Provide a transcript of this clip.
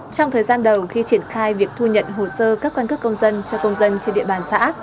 trong thời gian đầu khi triển khai việc thu nhận hồ sơ cấp căn cước công dân cho công dân trên địa bàn xã